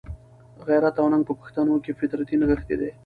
غیرت او ننګ په پښتنو کښي فطرتي نغښتی دئ.